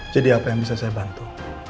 jadi apa yang bisa saya bantu